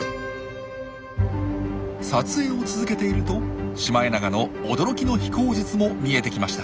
撮影を続けているとシマエナガの驚きの飛行術も見えてきました。